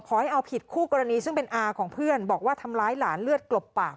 ให้เอาผิดคู่กรณีซึ่งเป็นอาของเพื่อนบอกว่าทำร้ายหลานเลือดกลบปาก